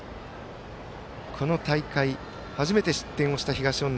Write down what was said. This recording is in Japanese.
この大会、初めて失点をした東恩納。